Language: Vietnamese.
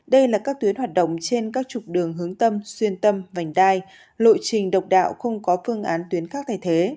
đây là các tuyến hoạt động trên các trục đường hướng tâm xuyên tâm vành đai lộ trình độc đạo không có phương án tuyến khác thay thế